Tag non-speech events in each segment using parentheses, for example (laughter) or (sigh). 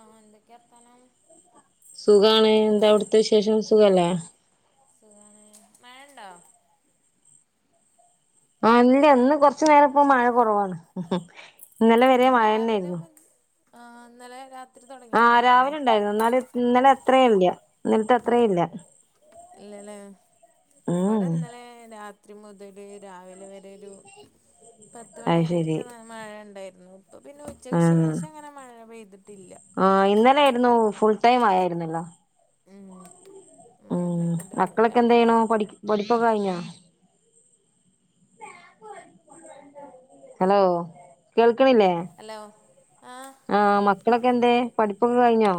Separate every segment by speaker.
Speaker 1: ആഹ് എന്തൊക്കെർത്താനം
Speaker 2: സുഖാണ് എന്താ അവിട്ത്തെവിശേഷം സുഖല്ലേ
Speaker 1: സുഗാണ് മഴണ്ടോ
Speaker 2: ആ ഇല്ല ഇന്ന് കൊർച്നേരം ഇപ്പൊ മഴ കൊർവാണ് ഇന്നലെ വരെ മഴനന്നേര് ന്നു
Speaker 1: ആഇന്നലെരാത്
Speaker 2: ആഹ് രാവിലെണ്ടാര്ന്നു എന്ന ഇന്ന ഇന്നലെഅത്രെഇല്ല ഇന്നൽത്തെ അത്രെ ഇല്ല ഉം
Speaker 1: ഇല്ലല്ലേഇവടെഇന്നലെരാ രാത്രി മുതല് രാവിലെവരെരു
Speaker 2: അത് ശരി
Speaker 1: പത്ത്മണിരൊക്കെ മഴണ്ടായിരുന്നു ഇപ്പൊ പിന്നെ
Speaker 2: ആ
Speaker 1: ഉച്ചക്ക് ശേഷം അങ്ങനെ മഴ പെയ്തിട്ടില്ല
Speaker 2: ആ ഇന്നലൊയിരുന്നുഫുൾടൈം മയെർനല്ലോ
Speaker 1: ഉം
Speaker 2: ഉം
Speaker 1: മഴണ്ട് എന്നിട്ട്
Speaker 2: മക്കളൊക്കെ
Speaker 1: എങ്ങനെ
Speaker 2: എന്തേയ്ണുപടി പടിപ്പൊക്കെകഴിഞ്ഞാ ഹലോ കേൾക്കണില്ലേ
Speaker 1: ഹലോ ആഹ്
Speaker 2: ആ
Speaker 1: കേക്കണ്ട്
Speaker 2: മക്കളൊക്കെന്തേപഠിപ്പൊക്കെ കഴിഞ്ഞോ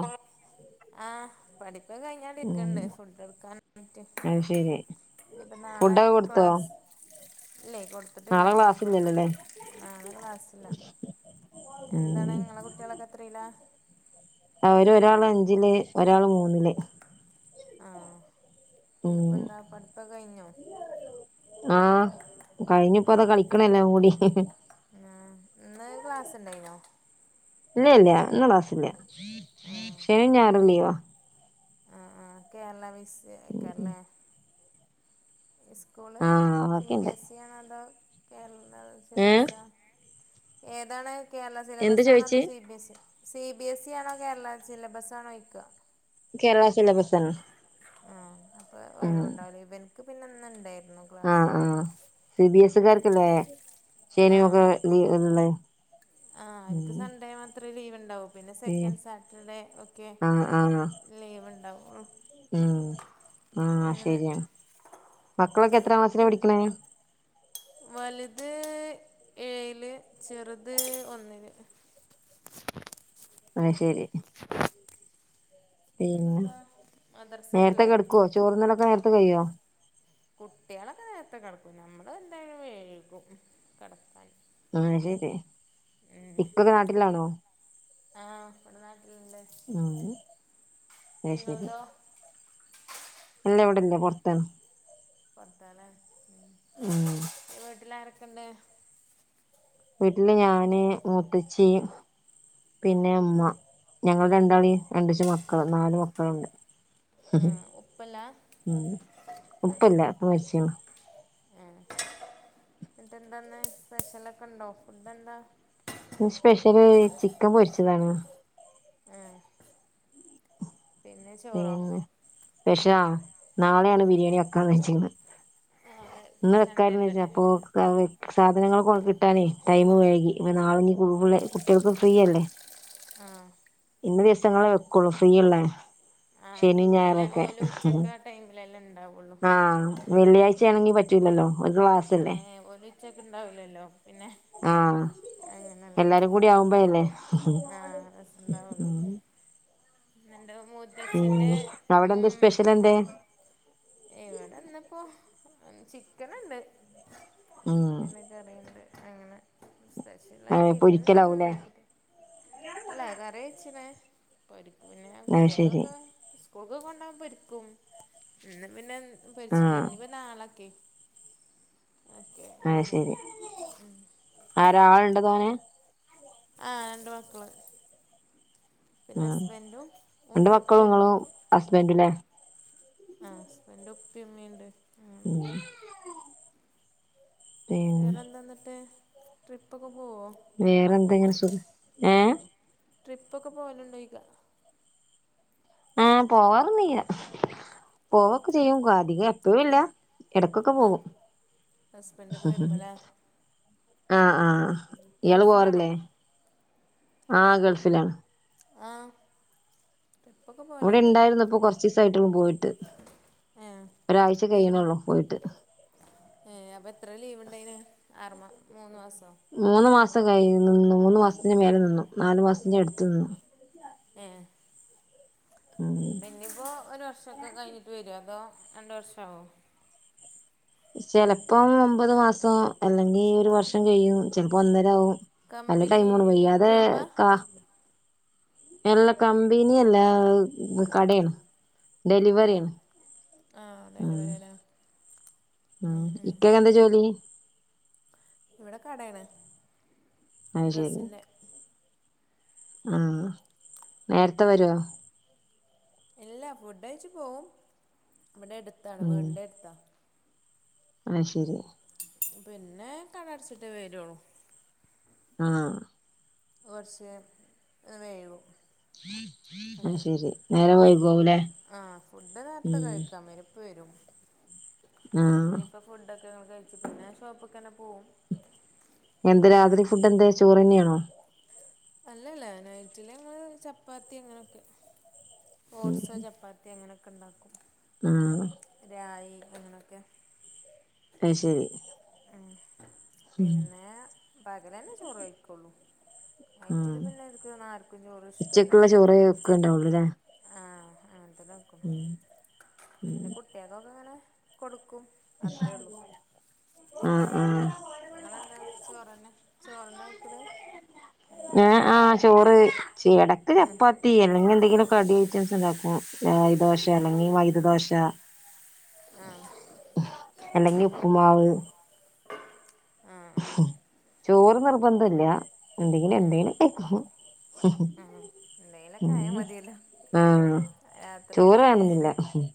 Speaker 1: ആഹ് പഠിപ്പോകെകഴി ഞാ
Speaker 2: ഉം
Speaker 1: ടുക്കണ്ടെ ഫുഡ് എടുക്കൻപറ്റി
Speaker 2: അത് ശരി
Speaker 1: ഇഞ്പ്പ നാളെ
Speaker 2: ഫുഡൊക്കെ കൊടുത്തോ
Speaker 1: ക്ലാസ്സ് ഇല്ലേയ് കൊട്ത്തിട്ടില്ല
Speaker 2: നാളെ
Speaker 1: കൊടുക്കു
Speaker 2: ക്ലാസ്സില്ലല്ലോല്ലേ
Speaker 1: നളെ ക്ലാസില്ല എന്താണ്
Speaker 2: ഉം
Speaker 1: ഇങ്ങളെ കുട്ടികളൊക്കെ എത്രേലാ
Speaker 2: ആ ഒരുഒരാള് അഞ്ചില് ഒരാള് മൂന്നില്
Speaker 1: ആഹ്
Speaker 2: ഉം
Speaker 1: ന്ന്പന്താപഠിപ്പൊകെയ്ഞ്ഞോ
Speaker 2: ആഹ് കഴിഞ്ഞുപ്പതകളിക്ക്ണ്എല്ലാം കൂടി
Speaker 1: ഉംഇന്ന്ക്ലാസ്ണ്ടായ്നോ
Speaker 2: ഇല്ല്യേയ്ല ഇന്ന് ക്ലാസില്ല
Speaker 1: ആഹ്
Speaker 2: ശനിം ഞായറും ലീവാ
Speaker 1: ആകേരളവിസ് ആയിക്കാരലെ സ്കൂള്
Speaker 2: ആഹ് ബാക്കിണ്ട്
Speaker 1: സിബിഎസി ആണോഅതാ കേരള
Speaker 2: ഏഹ്
Speaker 1: ബസാ ഏതാണ് കേരള
Speaker 2: എന്ത്
Speaker 1: സിലബസാണോ
Speaker 2: ചോയിച്ച്
Speaker 1: അതോ CBS E C B S E ആണോ കേരള സിലബസ് ആണോ ചോയിക്ക
Speaker 2: കേരള സിലബസാ ന്നെ
Speaker 1: ആ അപ്പൊ ഒഴിവുണ്ടാവൂല ഇവൻക്ക് പിന്നെന്ന് ണ്ടെർന്ന്
Speaker 2: ആഹ് ആഹ് സിബിഎസ് ഇകാർക്ക്ല്ലേ
Speaker 1: ആഹ്
Speaker 2: ശെനിഒക്കെ ലീ ഇണ്ട്
Speaker 1: ആഹ് ഒനിക്ക് സൺഡേ മാത്രേ ലീവ് ഉണ്ടാവു പിന്നെ
Speaker 2: ഏഹ്
Speaker 1: സെക്കൻസാറ്റർഡേ ഒക്കെ
Speaker 2: ആഹ് ആഹ്
Speaker 1: ലീവ്ണ്ടാവൊള്ളു
Speaker 2: ഉം ആ ശരിയാണ് മക്കളൊക്കെ എത്ര ക്ലാസില പഠിക്കണേ
Speaker 1: വലുത് ഏഴില് ചെറുത് ഒന്നില്
Speaker 2: അയ് ശരി പിന്നെ
Speaker 1: എന്നിട്ടെന്താ
Speaker 2: നേരത്തെെ
Speaker 1: മദർസൊക്കെല്ലേ
Speaker 2: കിടക്കോ ചോറ് ന്നലൊക്കെ നേരത്തെ കഴിയോ
Speaker 1: കുട്ടികളൊക്കെ നേരത്തെ കിടക്കും നമ്മള് എന്തായാലും വൈകും കിടക്കാൻ
Speaker 2: ആ ശരി ഇപ്പൊ നാട്ടിലാണോ
Speaker 1: ആ ഇവിടെ നാട്ടിലുണ്ട്
Speaker 2: ഉം അത് ശരി
Speaker 1: നിങ്ങളതോ
Speaker 2: ഇല്ല ഇവിടെല്ല പുറത്താണ്
Speaker 1: ഫത്താല മ്
Speaker 2: ആ
Speaker 1: വീട്ടില് ആരൊക്കെ ണ്ട്
Speaker 2: വീട്ടില് ഞാന് മൂത്തച്ചി
Speaker 1: ഉം
Speaker 2: പിന്നെ ഉമ്മ ഞങ്ങളെ രണ്ടാളി രണ്ടച് മക്കള് നാലു മക്കളുണ്ട്
Speaker 1: ഒപ്പളാ താ
Speaker 2: ഉപ്പയില്ല ഉപ്പ മരിച്ച്ക്ക്ണ്
Speaker 1: ഏ എന്നിട്ട് എന്താന്ന് സ്പെഷ്യലൊക്കെ ഉണ്ടോ ഫുഡ് എന്താ
Speaker 2: ഇന്ന് സ്പെഷ്യല് ചിക്കൻ പൊരിച്ചതാണ്
Speaker 1: ആഹ് ചോറോ
Speaker 2: പിനിന്ന് സ്‌പെഷലാണ് നാളെയാണ് ബിരിയാണി വെക്കാൻ വെച്ചിന്നത്
Speaker 1: നാളെ
Speaker 2: ഇന്ന്
Speaker 1: സൺഡേ
Speaker 2: വെക്കാന്ന് വെച്ചയാ
Speaker 1: അല്ലല്ലേ
Speaker 2: അപ്പൊ സാധനങ്ങൾ കൊണ്ട് ഇട്ടാലെ ടൈം വൈകി അപ്പൊ നാളെ ഇനി (unintelligible) കുട്ടികൾക്ക് ഫ്രീയല്ലേ
Speaker 1: ആ
Speaker 2: ഇന്നി ദിവസങ്ങളെ വെക്കുള്ളു ഫ്രീയല്ലേ
Speaker 1: ആ അപ്പൊ പിന്നെ ഓളു ഉച്ചയ്ക്കെ ആ ടൈമിലല്ലെ ഉണ്ടാവുള്ളൂ
Speaker 2: ആഹ് വെള്ളിയാഴ്ച ആണെങ്കി പറ്റൂലല്ലോ ഒരു വാ
Speaker 1: ഏഹ് ഓല് ഉച്ചക്ക് ഉണ്ടാവില്ലല്ലോ പിന്നെ അങ്ങനല്ലേ
Speaker 2: ആവുമ്പോ ഇല്ലേ
Speaker 1: ആഹ് രസണ്ടാവുള്ളു ഇന്നെന്റെ
Speaker 2: ഉം
Speaker 1: മുത്തച്ഛന്റെ
Speaker 2: അവിടെ
Speaker 1: ഉം
Speaker 2: എന്താ സ്പെഷ്യൽ എന്തേ
Speaker 1: ഇവിടെ ഇന്നിപ്പോ ചിക്കൻ ഉണ്ട്
Speaker 2: ഉം
Speaker 1: പിന്നെ കറിയുണ്ട് അങ്ങനെ സ്പെഷ്യലായി
Speaker 2: ഏഹ്
Speaker 1: ബിരിയാണിതൊന്നും
Speaker 2: പൊരിക്കലാവൂലേ
Speaker 1: ഉണ്ടാക്കിട്ടില്ല അല്ലെ കറി വച്ചിലെ പരിപ്പും പിന്നെ
Speaker 2: അത് ശരി
Speaker 1: കുട്ടികൾക്കൊക്കെ സ്കൂൾക്കെ കൊണ്ടോൻ പരിപ്പും ഇന്ന് പിന്നെ വെച്ചിട്ട് ഇല്ല
Speaker 2: ആഹ്
Speaker 1: ഇനി വെ നാളക്കി
Speaker 2: ആഹ് ശരി ആരാ ആളുണ്ടോ തോനെ
Speaker 1: ആഹ് രണ്ട് മക്കള് പിന്നെ
Speaker 2: ഉം
Speaker 1: ഹസ്ബന്റും ഉമ്മ ഉപ്പയും ഉണ്ട്
Speaker 2: ഹസ്ബെന്റില്ലേ
Speaker 1: ആഹ് ഹസ്ബന്റും ഉപ്പയും ഉമ്മയുണ്ട്
Speaker 2: ഉം പിന്നെ
Speaker 1: വേറെന്താന്നിട്ട് ട്രിപ്പൊക്കെ പോവോ
Speaker 2: വേറെ എന്തെങ്ങനെ സുഖം ഏഹ്
Speaker 1: ട്രിപ്പ് ഒക്കെ പോവലുണ്ടോ ഇക
Speaker 2: ആഹ് പോവാറൊന്നിയ പോവക്കെ ചെയ്യും അധികം എപ്പോഴും ഇല്ല
Speaker 1: ആഹ്
Speaker 2: എടക്കൊക്കെപോകും
Speaker 1: ഹസ്ബൻഡൊക്കെ വരുമ്പോല്ലേ
Speaker 2: ആഹ് ആഹ് ഇയാള്
Speaker 1: ഗൾഫിലാണോ
Speaker 2: പോവാറില്ലേ ആഹ് ഗൾഫിലാ
Speaker 1: ആഹ് ട്രിപ്പൊക്കെ പോ
Speaker 2: ഇവിടെ ഇണ്ടായിരുന്നപ്പൊ കൊറച്ചിസം ആയിട്ടുള്ളൂ പോയിട്ട്
Speaker 1: ഏഹ്
Speaker 2: ഒരാഴ്ച കഴിയണള്ളോ പോയിട്ട്
Speaker 1: ഏഹ് അപ്പൊ എത്ര ലീവ് ഉണ്ടെയിന് ആറുമാ മൂന്നു മാസോ
Speaker 2: മൂന്ന് മാസം കഴിയുന്നുന്ന് മൂന്നു മാസത്തിന്റെ മേലെ നിന്നു നാലു മാസത്തിന്റെ അടുത്ത് നിന്നു
Speaker 1: ഏഹ്
Speaker 2: ഉം
Speaker 1: ബെന്നിപ്പോ ഒരു വർഷൊക്കെ കഴിഞ്ഞിട്ട് വരോ അതോ രണ്ട് വർഷാവുവോ
Speaker 2: ചെലപ്പോം ഒമ്പത് മാസം അല്ലെങ്കി ഒരു വർഷം കഴിയും ചെലപ്പൊ ഒന്നരാവും നല്ല
Speaker 1: കമ്പനി
Speaker 2: ടൈമോണ്
Speaker 1: ജോബാ
Speaker 2: വല്ലാതെക എല്ല കമ്പിനിയല്ല കടേണ്
Speaker 1: ആ
Speaker 2: ഡെലിവറി
Speaker 1: ആ
Speaker 2: ഉം
Speaker 1: ഡെലിവറിയാണ്
Speaker 2: ഉം ഇക്കാക്കെന്താജോലി
Speaker 1: ഇവടെ കടേണ്
Speaker 2: അത് ശരി
Speaker 1: ഡ്രസ്സിന്റെ
Speaker 2: ആഹ് നേര്ത്തെ വരുവാ
Speaker 1: ഇല്ല ഫുഡഴ്ച്ച് പോവും ഇവടെടുത്താണ്
Speaker 2: ഉം
Speaker 1: വീടിന്റെട്ത്താണ്
Speaker 2: അത് ശരി
Speaker 1: പിന്നെ കടയടച്ചിട്ടേ വരൊള്ളൂ
Speaker 2: ആഹ്
Speaker 1: ഒരുവർഷെ വൈകും
Speaker 2: അത്
Speaker 1: അങ്ങനെ
Speaker 2: ശെരി നേരം
Speaker 1: ഫുട്
Speaker 2: വൈകോവുലേ
Speaker 1: ആഹ് ഫുഡ് നേര്ത്തെ
Speaker 2: ഉം
Speaker 1: കഴിക്കാംവരും പ്പ വരും
Speaker 2: ആഹ്
Speaker 1: ഇനിയിപ്പോ ഫുഡൊക്കെഞങ്ങ കഴിച്ച്ട്ടന്നെ ഷോപ്പ്ക്കന്നെ പോകും
Speaker 2: എന്ത് രാത്രി ഫുഡ് എന്തെ ചോറെന്നെയാണോ
Speaker 1: അല്ലല്ല നൈറ്റില് ങ്ങള് ചപ്പാത്തി അങ്ങനൊക്കെ
Speaker 2: ഉം
Speaker 1: ഓട്സോ ചപ്പാത്തിയ അങ്ങനൊക്കെ ഉണ്ടാക്കും
Speaker 2: ആഹ്
Speaker 1: രായി് അങ്ങനൊക്കെ
Speaker 2: അയ്ശരി
Speaker 1: ഉം പിന്നെ പകലന്നെ ചോറയ്ക്കൊള്ളൂ നൈറ്റില്
Speaker 2: ആഹ്
Speaker 1: പിന്നെ (unintelligible) ആർക്കും ചോറ് ഇഷ്ടല്ല
Speaker 2: ഉച്ചക്കുള്ള ചോറ് ഒക്കെ ഉണ്ടാവുള്ളൂല്ലേ
Speaker 1: ആഹ് അങ്ങനത്തന്നെക്കും
Speaker 2: ഉം
Speaker 1: പിന്നെ കു ഏതോക്കങ്ങ്നെ കൊടുക്കും അത്രേ ഉള്ളൂ
Speaker 2: ആഹ് ആഹ്
Speaker 1: നിങ്ങളെന്താ ചോറെന്ന ചോറന്നെ കയ്ക്കല്
Speaker 2: ഏഹ്ആഹ് ചോറ് യെടക്ക് ചപ്പാ ത്തി അല്ലെങ്കി എന്തെങ്കിലും കടി ഐറ്റംസ് ഉണ്ടാക്കും രായി ദോശേ അല്ലെങ്കി മൈദ ദോശ
Speaker 1: ആഹ്
Speaker 2: അല്ലെങ്കി ഉപ്പുമാവ്
Speaker 1: ആഹ്
Speaker 2: ഹ് ഹ്
Speaker 1: ആഹ്
Speaker 2: ചോറ് നിർബന്ധല്ല്യ എന്തെങ്കിലും എന്തെങ്കിലുംകയ്ക്കും ഹ് ഹ്
Speaker 1: ആഹ് എന്തെങ്കിലൊക്കെ
Speaker 2: ഉം
Speaker 1: ആയാ മതിയല്ലോ
Speaker 2: ആഹ്
Speaker 1: രാത്രിയല്ലേല്ലേ
Speaker 2: ചോറ്വാണെന്നില്ല ഹ് ഹ്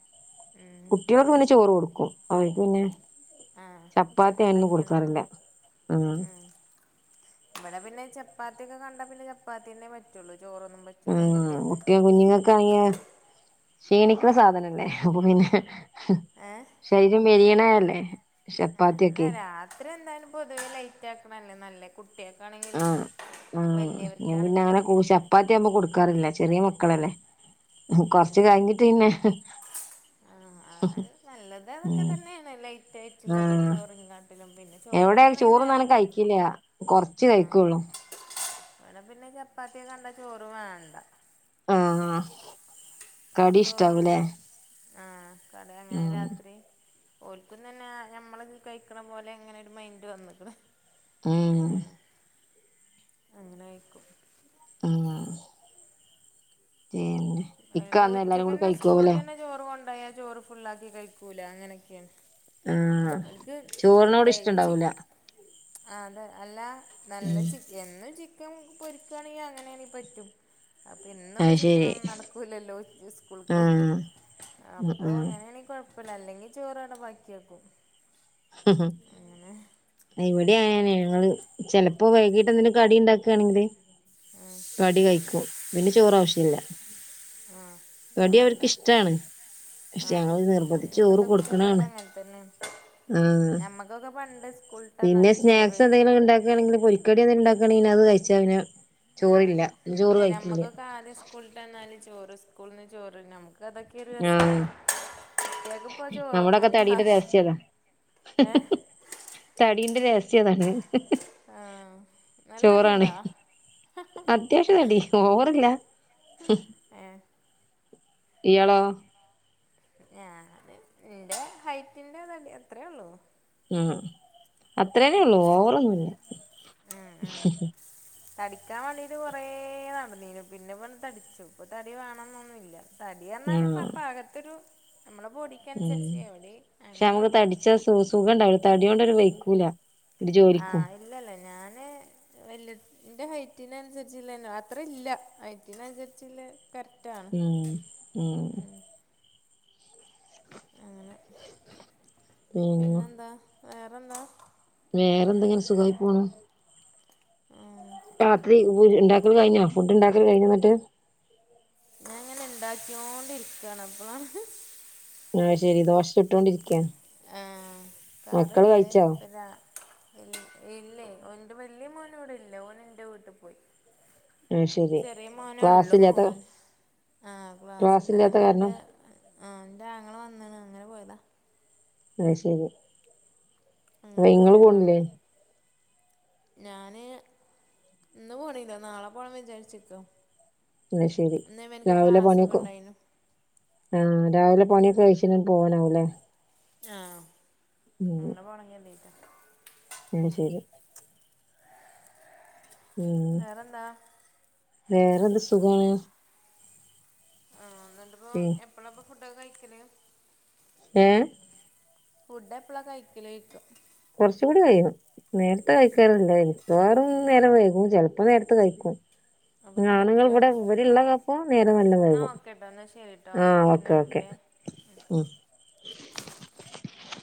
Speaker 1: ഉം
Speaker 2: കുട്ട്യോക്ക് പിന്നെ ചോറൊട്ക്കും അവർക്ക്‌ പിന്നെ ചപ്പാത്തീ ന്നും കൊടുക്കാറില്ല
Speaker 1: ആഹ് ഇവടെ പിന്നെ ചപ്പാത്തിക്കെ കണ്ടാ പിന്നെ ചപ്പാത്തിന്നേ പറ്റൊള്ളൂ ചോറൊന്നും പ
Speaker 2: ഉം കുട്ട്യകുഞ്ഞുങ്ങൾക്ക് ആയ ക്ഷീണിക്ക്ണ സാധനല്ലേ അപ്പോ പിന്നെ ഹ് ഹ്
Speaker 1: ഏഹ്
Speaker 2: ശരീരം മെലിയണ അല്ലേ
Speaker 1: അല്ല രാത്രി എന്തായാലും പൊതുവെ ലൈറ്റ് ആക്കണല്ലേ നല്ലെ കു കുട്ട്യാക്കാണെങ്കിലും
Speaker 2: ആഹ്
Speaker 1: വല്യ വർക്കാണെങ്കിലൊക്കെ
Speaker 2: പ്പാത്തിവുമ്പോ കൊടുക്കാറില്ലചെറിയ മക്കളല്ലേ കൊർച്ച് കഴിഞ്ഞിട്ട് ന്നെ
Speaker 1: ആഹ് ആഹ് നല്ലത് അതൊക്കെ
Speaker 2: ഉം
Speaker 1: തന്നേണ് ലൈറ്റ് ആയിട്ട്ള്ളത് ചോറിങ്ങ എല്ലം പിന്നെ
Speaker 2: എവടെ
Speaker 1: ചോറൊക്കെ ആണെങ്കിൽ നേരത്തെ
Speaker 2: ചോറുംന്നാലുംകഴിക്കില്ല കൊർച്ച് കഴിക്കൊള്ളൂ
Speaker 1: വടെ പിന്നെ ചപ്പാത്തിയൊക്കെ കണ്ട ചോറ് വേണ്ട
Speaker 2: ആഹ
Speaker 1: ചോറും ആഹ കറി എങ്ങനെ
Speaker 2: ഉം
Speaker 1: രാത്രി ഓൽക്കുതന്നെ ഞമ്മള് കഴിക്കണ പോലെ അങ്ങനെ ഒരു മൈന്റ് വന്നികിണ്
Speaker 2: ഉം
Speaker 1: അങ്ങനെ കയിക്കും
Speaker 2: ആഹ (unintelligible)
Speaker 1: അയ്പൊ
Speaker 2: വന്ന് എല്ലാരും കൂടി
Speaker 1: ഉച്ചക്ക്ന്നെ
Speaker 2: കഴിക്കാവൂലേ
Speaker 1: സ്കൂൾകെന്നെ ചോറ് കൊണ്ടായാ ചോറ് ഫുള്ളാക്കി കഴിക്കൂല അങ്ങനെയൊക്കെയാണ്
Speaker 2: ആഹ്
Speaker 1: ഒല്ക്ക്
Speaker 2: ചോറിനോട്
Speaker 1: ഡെയിലി ചിക്ക്
Speaker 2: ഇഷ്ടണ്ടാവൂല
Speaker 1: ആ അതെ അല്ല നല്ല
Speaker 2: ഉം
Speaker 1: ചിക്ക് എന്നും ചിക്കൻ പൊരിക്കുയാണെങ്കിൽ അങ്ങനെയാണെങ്കി പറ്റും അപ്പൊ ഇന്ന് ഇപ്പ
Speaker 2: അത്
Speaker 1: ചിക്കൻ
Speaker 2: ശരി
Speaker 1: ഒന്ന് നട ക്കൂലല്ലോ സ്കൂൾക്ക്
Speaker 2: ആഹ് ഉം
Speaker 1: അപ്പ
Speaker 2: ഉം
Speaker 1: അങ്ങനെയാണങ്കി കൊഴ അ അല്ലെങ്കിൽ ചോറടെ ബാക്കിയാക്കും
Speaker 2: ഹ് ഹ്
Speaker 1: അങ്ങനെ
Speaker 2: ഇവിടെയ ഞങ്ങള് ചിലപ്പോ വൈകീട്ട് എന്തങ്കിലും കടി ഉണ്ടാക്കുകയാണെങ്കില്
Speaker 1: മ്മ്
Speaker 2: കടി കഴിക്കും പിന്നെ ചോറാവശ്യല്ല
Speaker 1: ആ
Speaker 2: കടി
Speaker 1: വേണ്ട
Speaker 2: അവർക്ക് ഇഷ്ടാണ് പക്ഷെ
Speaker 1: ആ
Speaker 2: ഞങ്ങള് നിർബന്ധിച്ച് ചോറ് കൊടുക്കണാണ്.
Speaker 1: തന്നെ.
Speaker 2: ആഹ്
Speaker 1: സ്കൂളിട്ട് വന്നാൽ
Speaker 2: പിന്നെ
Speaker 1: ചോറ്
Speaker 2: സ്നാക്സ് എന്തെങ്കിലൊക്കെ ഉണ്ടാക്കാണെങ്കിൽ പൊരി കടി എന്തേലും ഉണ്ടാക്കാണെങ്കിൽ അത് കഴിച്ചാ പിന്നെ ചോറില്ല ചോറ് കഴിക്കില്ലാ.
Speaker 1: നാലിസ് സ്കൂളിട്ടന്നാല് ചോറ് സ്കൂളിന്ന് ചോറ് നമുക്ക് അതൊക്കെ ഒരു രസല്ലെ.
Speaker 2: ആഹ്
Speaker 1: കുട്ട്യോയ്‌ക്കിപം ചോറും
Speaker 2: നമ്മുടെയൊക്കെ
Speaker 1: വേണ്ടാ
Speaker 2: തടിയുടെ
Speaker 1: ആവിശ്യം
Speaker 2: രഹസ്യം അതാ
Speaker 1: ഏഹ്.
Speaker 2: തടീന്റെ രഹസ്യം അതാണ്.
Speaker 1: ആഹ നല്ലതടി ഇണ്ടാ
Speaker 2: ചോറാണ് അത്യാവശ്യം തടി ഓവറല്ല.
Speaker 1: ഏഹ്.
Speaker 2: ഇയാളോ?
Speaker 1: ഞാനിന്റെ ഹൈറ്റിന്റെ തടി അത്രയുള്ളൂ.
Speaker 2: ഉം അത്രേനേ ഉള്ളൂ ഓവറൊന്നുല്ല.
Speaker 1: ഉ തടിക്കാൻ വേണ്ടിട്ട് കുറേ നടന്നീനു പിന്നെ ഇപ്പ തടിച്ചു ഇപ്പൊ തടി വേണംന്നൊന്നില്ല. തടിയെന്നാൽ
Speaker 2: ആഹ്
Speaker 1: ഇപ്പ പാകത്തൊരു നമ്മളെ
Speaker 2: ഉം
Speaker 1: ബോഡിക്കനുസരിച്ച് എവിടെ
Speaker 2: നമുക്ക്
Speaker 1: അങ്ങനെള്ളു.
Speaker 2: പക്ഷെ തടിച്ച സു സുഖം ഉണ്ടാവുല തടിയോണ്ടൊന്നും വയ്ക്കൂല.
Speaker 1: ആഹ് ഇല്ലല്ല ഞാന് വല്യ ഇന്റെ ഹൈറ്റിനനുസരിച്ചുല്ലന്നെ അത്ര ഇല്ല ഹൈറ്റിന അനുസരിച്ചുല്ല കറക്റ്റാ
Speaker 2: ഉം ഉം.
Speaker 1: അങ്ങനെ
Speaker 2: ഉം
Speaker 1: പിന്നെന്താ വേറെന്താ?
Speaker 2: വേറെ എന്താ ഇങ്ങനെ സുഖായി പോണ്.
Speaker 1: ആഹ്
Speaker 2: രാത്രി ഉ ഉണ്ടാക്കല് കഴിഞ്ഞ ഫുഡ് ഉണ്ടാക്കല് കഴിഞ്ഞാ എന്നിട്ട്?
Speaker 1: ഞാൻ ഇങ്ങനെ ഇണ്ടാക്കോണ്ടിരിക്കയാണ് അപ്പള
Speaker 2: ആഹ് ശെരി ദോശ ചുട്ടോണ്ടിരിക്കാ.
Speaker 1: ആഹ് കറിണ്ട് പിന്ന ഇല്ലേ ഓ ഇന്റെ വല്യ മോനിവിടെ ഇല്ലേ ഓൻ എന്റെ വീട്ടി പോയി.
Speaker 2: ആഹ് ശരി
Speaker 1: ചെറിയ മോനേ ഉള്ളു
Speaker 2: ക്ലാസ്സില്ലാത്ത
Speaker 1: ഓൻ ആഹ്
Speaker 2: ക്ലാസ്സില്ലാത്ത കാരണം
Speaker 1: ക്ലാസ്സില്ലായിലെന്റെ ആ ഇന്റെ ആങ്ങള വന്നിണ് അങ്ങനെ പോയതാ.
Speaker 2: അത് ശരി അ
Speaker 1: അങ്ങനെ
Speaker 2: ഇങ്ങള്
Speaker 1: പോയതാണ്
Speaker 2: പോണില്ലേ?
Speaker 1: ഞാന് ഇന്ന് പോണില്ല നാളെ പോണം വിചാരിചിക്കാ.
Speaker 2: അത് ശെരി രാവിലെ
Speaker 1: ക്ലാസ്സൊക്കെ
Speaker 2: പണിയൊക്കോ
Speaker 1: ഉണ്ടായിനു
Speaker 2: ആഹ് രാവിലെ പണിയൊക്കെ കഴിച്ചു പോവാനാവൂല്ലേ.
Speaker 1: ആഹ് അങ്ങനെ പോണെങ്കി (unintelligible)
Speaker 2: ഉം ശരി. ഉം
Speaker 1: വേറെന്താ
Speaker 2: വേറെന്ത് സുഖാണ്.
Speaker 1: ആഹ് എന്നിട്ടിപ്പോ
Speaker 2: ഉം
Speaker 1: എപ്പളാ ഇപ്പൊ ഫുഡൊക്കെ കഴിക്കല്?
Speaker 2: ഏഹ്.
Speaker 1: ഫുഡ് എപ്പളാ കഴിക്കല് ലോയിക്ക.
Speaker 2: കുറച്ചും കൂടി കയ്യും. നേരത്തെ കഴിക്കാറില്ല മിക്കവാറും നേരം വൈകും ചിലപ്പോ നേരത്തെ കഴിക്കും.
Speaker 1: അപ്പൊ
Speaker 2: ആണുങ്ങൾ
Speaker 1: കെടക്കലോ
Speaker 2: ഇവിടെ ഇവിടിള്ളപ്പോ നേരം നല്ല
Speaker 1: എന്നാ
Speaker 2: വൈകും
Speaker 1: ഓക്കെട്ടോ
Speaker 2: ആഹ് ഓക്കെ ഓക്കെ.
Speaker 1: ഉം.